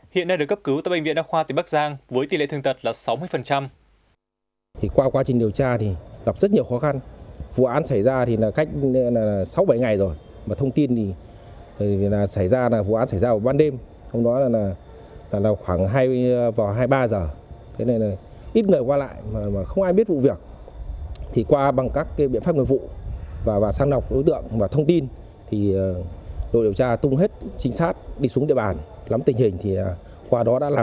hiện đang được cấp cứu tại bệnh viện đăng khoa tỉnh bắc giang với tỷ lệ thương tật là sáu mươi